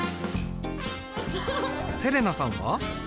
せれなさんは？